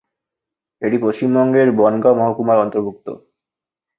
এটি পশ্চিমবঙ্গের বনগাঁ মহকুমার অন্তর্ভুক্ত।